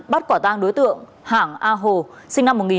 bắt quả tang đối tượng hảng a hồ sinh năm một nghìn chín trăm chín mươi hai